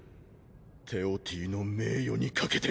テオティの名誉にかけてお前を倒す！